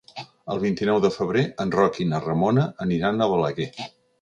El vint-i-nou de febrer en Roc i na Ramona aniran a Balaguer.